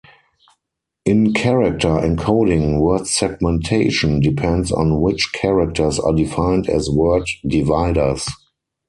In character encoding, word segmentation depends on which characters are defined as word dividers.